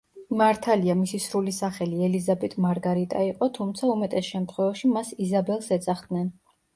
მართალია მისი სრული სახელი ელიზაბეტ მარგარიტა იყო, თუმცა უმეტეს შემთხვევაში მას იზაბელს ეძახდნენ.